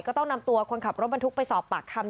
ก็ต้องนำตัวคนขับรถบรรทุกไปสอบปากคำ